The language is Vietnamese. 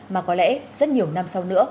mà có lẽ rất nhiều năm sau nữa